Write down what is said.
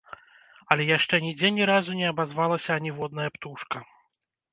Але яшчэ нідзе ні разу не абазвалася аніводная птушка.